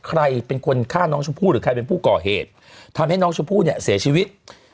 ใครเป็นคนฆ่าน้องชมพู่หรือใครเป็นผู้ก่อเหตุทำให้น้องชมพู่เนี่ยเสียชีวิต